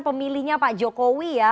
pemilihnya pak jokowi ya